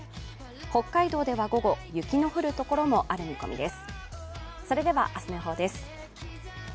北海道では午後、雪の降る所もある見込みです。